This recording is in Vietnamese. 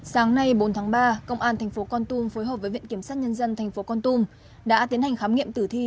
sáng nay bốn tháng ba công an tp kon tum phối hợp với viện kiểm sát nhân dân tp kon tum đã tiến hành khám nghiệm tử thi